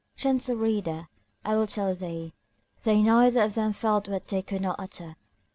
Gentle reader, I will tell thee; they neither of them felt what they could not utter.